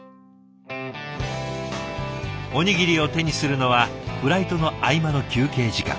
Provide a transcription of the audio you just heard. おにぎりを手にするのはフライトの合間の休憩時間。